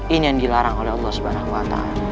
ini yang dilarang oleh allah swt